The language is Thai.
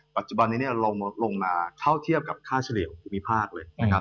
ปัจจุบันนี้ลงมาเท่าเทียบกับค่าเฉลี่ยของภูมิภาคเลยนะครับ